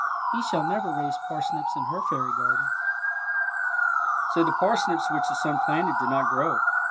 He shall never raise parsnips in her fairy garden." So the parsnips which the son planted did not grow.